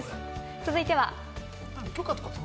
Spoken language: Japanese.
続いては。